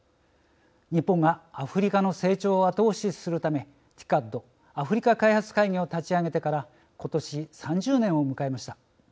日本がアフリカの成長を後押しするためＴＩＣＡＤ＝アフリカ開発会議を立ち上げてから今年、３０年を迎えました。